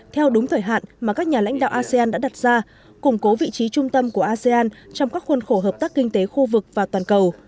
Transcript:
theo đúng thời hạn mà các nhà lãnh đạo asean đã đặt ra củng cố vị trí trung tâm của asean trong các khuôn khổ hợp tác kinh tế khu vực và toàn cầu